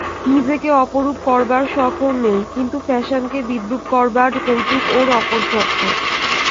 নিজেকে অপরূপ করবার শখ ওর নেই, কিন্তু ফ্যাশানকে বিদ্রূপ করবার কৌতুক ওর অপর্যাপ্ত।